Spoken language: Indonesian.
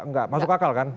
nggak masuk akal kan